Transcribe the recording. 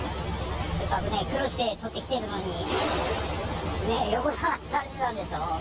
せっかく苦労して取ってきてるのに、横流しされてたんでしょ。